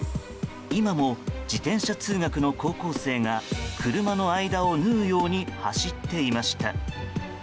今も自転車通学の高校生が車の間を縫うように走っていました。